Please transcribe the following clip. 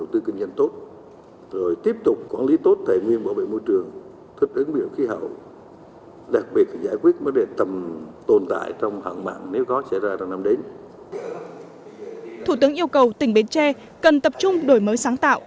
thủ tướng yêu cầu tỉnh bến tre cần tập trung đổi mới sáng tạo